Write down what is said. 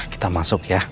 kita masuk ya